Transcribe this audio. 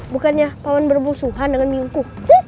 bukannya paman berbusuhan dengan biongku